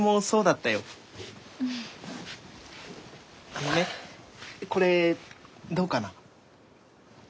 あのねこれどうかな？